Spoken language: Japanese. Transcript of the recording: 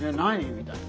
みたいな。